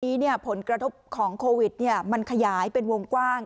จรวดนี้เนี่ยของโควิดมันขยายเป็นวงกว้าง